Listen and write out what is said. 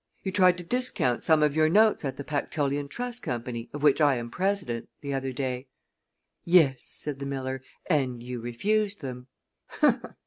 You tried to discount some of your notes at the Pactolean Trust Company, of which I am president, the other day." "Yes," said the miller, "and you refused them."